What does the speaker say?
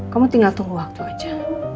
kamu tinggal tunggu waktu aja